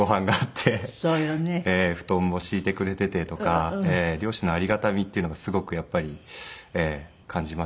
布団も敷いてくれていてとか両親のありがたみっていうのがすごくやっぱり感じましたね。